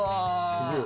すげえ。